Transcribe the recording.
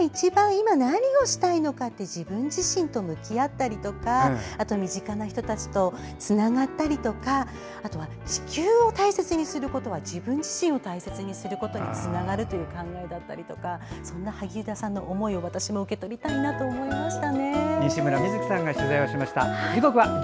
今、何をしたいのかって自分自身と向き合ったりとか身近な人たちとつながったりとか地球を大切にすることは自分自身を大切にすることにつながるという考えだったりとかそんな萩生田さんの思いを私も受け取りたいなと思いました。